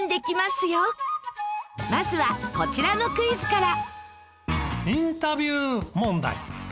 まずはこちらのクイズから。